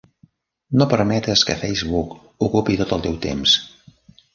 No permetes que Facebook ocupi tot el teu temps.